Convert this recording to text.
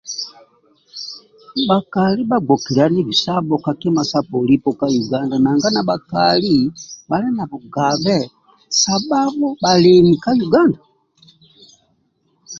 bakali ba bgokilyani bisabo ka polipo ndia ka uganda nanga na bakali bali na bugabe sa babo balemi ka uganda